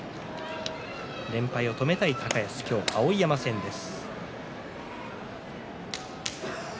連敗を止めたい高安今日は碧山戦です。